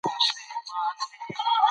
که نصاب وي نو ګډوډي نه پیدا کیږي.